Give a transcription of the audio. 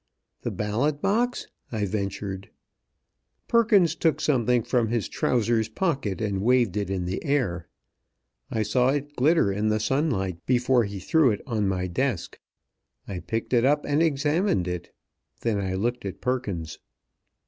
"The ballot box?" I ventured. Perkins took something from his trousers pocket, and waved it in the air. I saw it glitter in the sunlight before he threw it on my desk. I picked it up and examined it. Then I looked at Perkins.